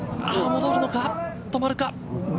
戻るのか、止まるか。